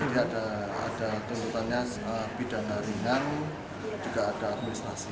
jadi ada tuntutannya bidana ringan juga ada administrasi